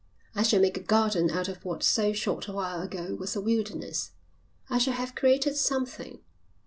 I shall make a garden out of what so short a while ago was a wilderness. I shall have created something.